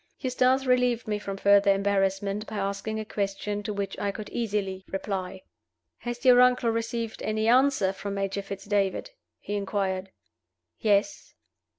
Eustace relieved me from further embarrassment by asking a question to which I could easily reply. "Has your uncle received any answer from Major Fitz David?" he inquired. "Yes.